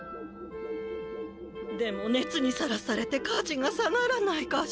でもねつにさらされてかちが下がらないかしら？